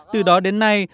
từ đó đến nay